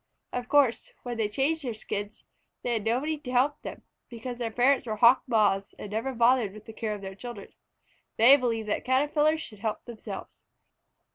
Of course when they changed their skins, they had nobody to help them, because their parents were Hawk Moths and never bothered with the care of children. They believed that Caterpillars should help themselves.